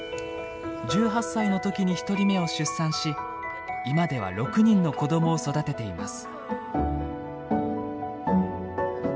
１８歳の時に１人目を出産し今では６人の子どもを育てています。